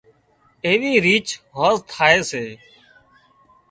ايوي ريچ هانز ٿائي سي